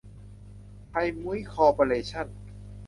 ไทยมุ้ย คอร์ปอเรชั่น